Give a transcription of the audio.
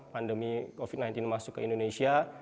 pandemi covid sembilan belas masuk ke indonesia